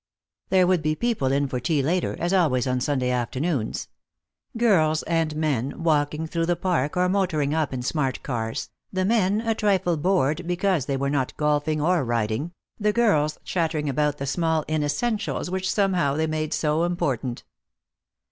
There would be people in for tea later, as always on Sunday afternoons; girls and men, walking through the park or motoring up in smart cars, the men a trifle bored because they were not golfing or riding, the girls chattering about the small inessentials which somehow they made so important.